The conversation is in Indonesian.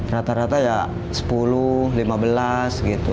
rata rata ya sepuluh lima belas gitu